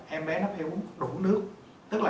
em bé nó phải uống đủ nước tức là